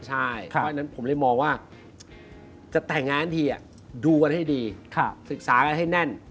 เพราะฉะนั้นผมเลยมองว่าจะแต่งงานทีดูกันให้ดีศึกษากันให้แน่น